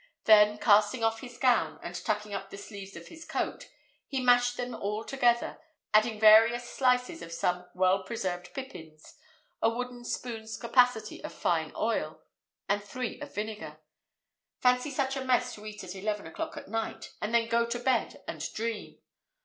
Then casting off his gown, and tucking up the sleeves of his coat, he mashed them all together; adding various slices of some well preserved pippins, a wooden spoon's capacity of fine oil, and three of vinegar. Fancy such a mess to eat at eleven o'clock at night, and then go to bed and dream!